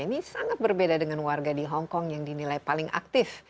ini sangat berbeda dengan warga di hongkong yang dinilai paling aktif